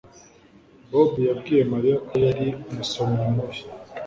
Bobo yabwiye Mariya ko yari umusomyi mubi